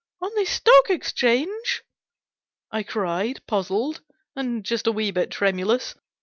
" On the Stock Exchange !" I cried, puzzled, and just a wee bit tremulous.